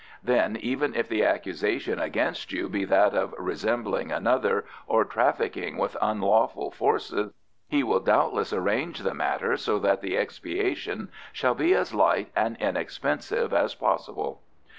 Then even if the accusation against you be that of resembling another or trafficking with unlawful Forces, he will doubtless arrange the matter so that the expiation shall be as light and inexpensive as possible."